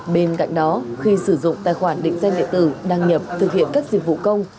bên cạnh đó khi sử dụng tài khoản định danh địa tử đăng nhập thực hiện các dịch vụ công